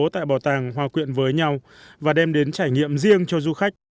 tại bảo tàng hòa quyện với nhau và đem đến trải nghiệm riêng cho du khách